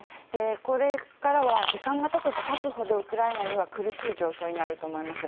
これからは時間が経てば経つほどウクライナには苦しい状況になると思います。